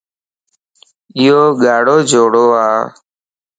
ايو ڳارو جوڙو ا